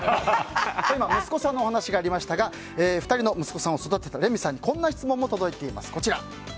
今、息子さんのお話がありましたが２人の息子さんを育てたレミさんにこんな質問も届いています。